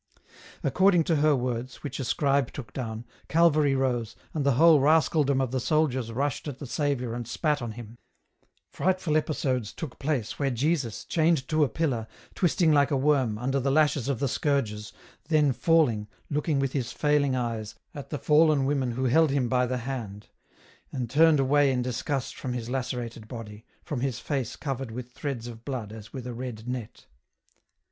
According to her words, which a scribe took down, Calvary rose, and the whole rascaldom of the soldiers rushed at the Saviour and spat on Him ; frightful episodes took place where Jesus, chained to a pillar, twisting like a worm, under the lashes of the scourgers, then falling, looking with His failing eyes, at the fallen women who held Him by the hand, and turned away in disgust from His lacerated body, from His face covered with threads of blood as with a red net.